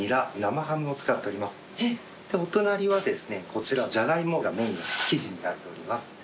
お隣はこちらジャガイモがメインの生地になっております。